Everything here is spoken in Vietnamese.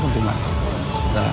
không tiền mạng